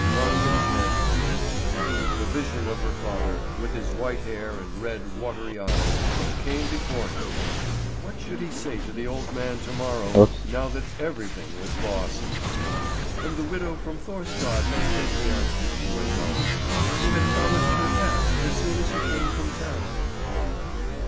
Wangen's head drooped. A vision of her father, with his white hair and red, watery eyes, came before him. What should he say to the old man to morrow, now that everything was lost? "And the widow from Thorstad has been here," she went on. "You had promised her half as soon as you came from town."